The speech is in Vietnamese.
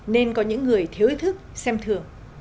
nên có những người thiếu ý thức xem thường